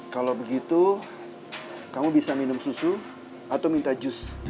kalau begitu kamu bisa minum susu atau minta jus